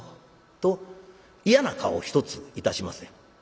と嫌な顔一ついたしません。